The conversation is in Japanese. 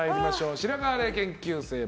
白河れい研究生。